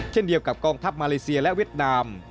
เช่นเดียวกับกองทัพมาเลเซียและเวียดนาม